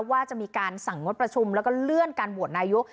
ว่าจะมีการสั่งงดประชุมแล้วก็เลื่อนการโหวตนายก